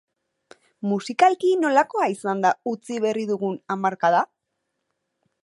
Musikalki nolakoa izan da utzi berri dugun hamarkada?